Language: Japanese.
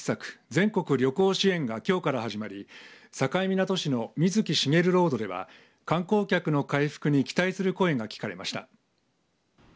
全国旅行支援がきょうから始まり境港市の水木しげるロードでは観光客の回復に期待する声が聞かれました。